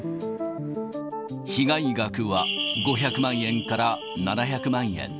被害額は５００万円から７００万円。